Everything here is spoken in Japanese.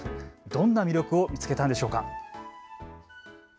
どんな魅力を見つけたんでしょうか。